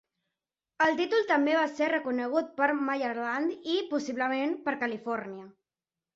El títol també va ser reconegut per Maryland i, possiblement, per Califòrnia.